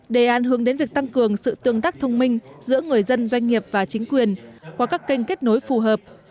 đề án hướng đến việc tăng cường sự tương tác thông minh giữa người dân doanh nghiệp và chính quyền qua các kênh kết nối phù hợp